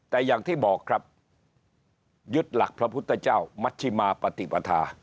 แต่อย่างที่บอกครับยึดหลักพระพุทธเจ้ามัชชิมาปฏิปทา